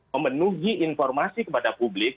memenuhi informasi kepada publik